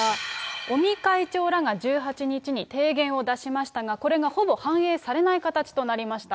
尾身会長らが１８日に提言を出しましたが、これがほぼ反映されない形となりました。